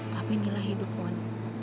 tapi inilah hidup mohan